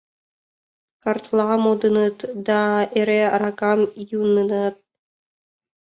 Картла модыныт да эре аракам йӱыныт.